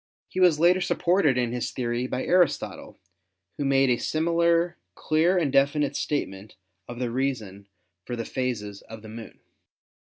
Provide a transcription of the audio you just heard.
He was later supported in his theory by Aristotle, who 166 ASTRONOMY made a similar clear and definite statement of the reason for the phases of the Moon.